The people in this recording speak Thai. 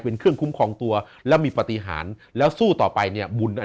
เป็นเครื่องคุ้มครองตัวแล้วมีปฏิหารแล้วสู้ต่อไปเนี่ยบุญอัน